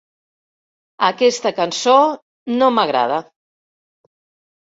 Aquesta cançó no m'agrada.